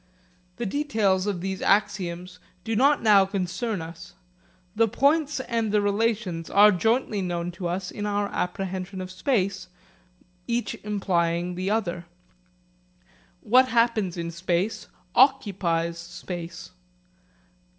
The details of these axioms do not now concern us. The points and the relations are jointly known to us in our apprehension of space, each implying the other. What happens in space, occupies space.